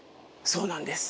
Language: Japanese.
そうなんです。